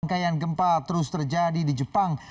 rangkaian gempa terus terjadi di jepang